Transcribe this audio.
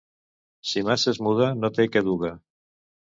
Qui massa es muda, no té què duga.